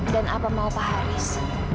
dan apa mau pak haris